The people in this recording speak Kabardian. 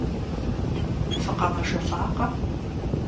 ФыкъэмэжэлӀакъэ?